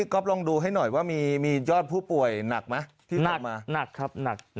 วันนี้น่าจะเป็นตัวเลขใหญ่นะครับ